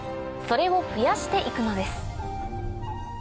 それを増やして行くのです